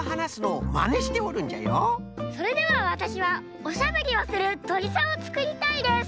それではわたしはおしゃべりをするとりさんをつくりたいです。